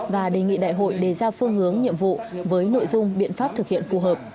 và đề nghị đại hội đề ra phương hướng nhiệm vụ với nội dung biện pháp thực hiện phù hợp